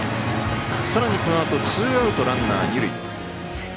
さらにこのあとツーアウト、ランナー、二塁。